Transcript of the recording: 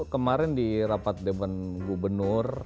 kemarin di rapat dewan gubernur